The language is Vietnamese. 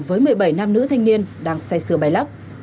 với một mươi bảy nam nữ thanh niên đang xe sưa bay lắc